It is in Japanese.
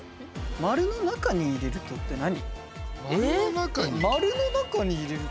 丸の中に入れるとって何？